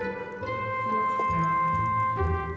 kece juga pak